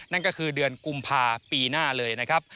นั่นก็คือเดือนกุมภาปีหน้าเลยนะครับ